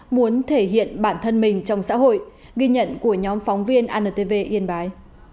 muốn thể hiện bản thân mình trong xã hội ghi nhận của nhóm phóng viên antv yên bái